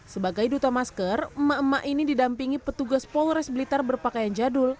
sebagai duta masker emak emak ini didampingi petugas polres blitar berpakaian jadul